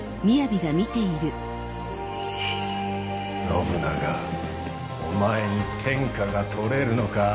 信長お前に天下が獲れるのか？